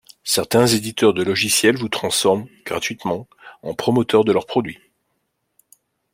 Certains éditeurs de logiciels vous transforment -gratuitement- en promoteurs de leurs produits!